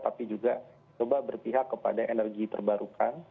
tapi juga coba berpihak kepada energi terbarukan